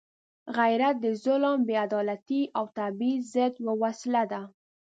غیرت د ظلم، بېعدالتۍ او تبعیض ضد یوه وسله ده.